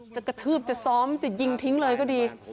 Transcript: จะกระทืบจะซ้อมจะยิงทิ้งเลยก็ดี